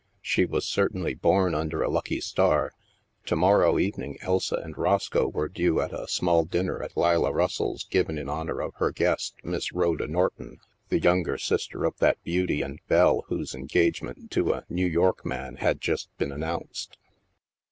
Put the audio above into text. She was certainly bom under a lucky star; to morrow evening Elsa and Roscoe were due at a small dinner at Leila Russell's given in honor of her guest, Miss Rhoda Norton, the younger sis ter of that beauty and belle whose engagement to a " New York man " had just been announced.